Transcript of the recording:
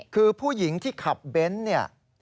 คือผู้หญิงที่ขับเบนท์เนี่ย